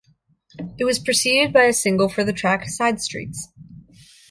It was preceded by a single for the track "Side Streets".